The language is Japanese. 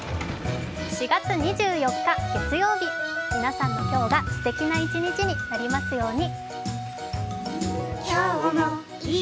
４月２４日月曜日皆さんの今日がすてきな一日になりますように。